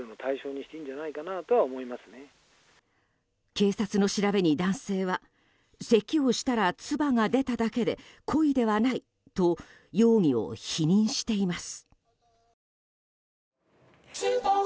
警察の調べに男性はせきをしたらつばが出ただけで故意ではないと容疑を否認しています。